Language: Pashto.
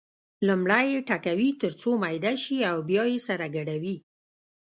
لومړی یې ټکوي تر څو میده شي او بیا یې سره ګډوي.